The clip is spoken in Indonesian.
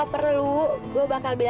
jan apa kabar